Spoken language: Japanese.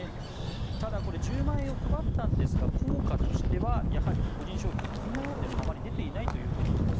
ただ、１０万円を配ったんですが効果としてはやはり個人消費が伸び悩んであまり出ていないということです。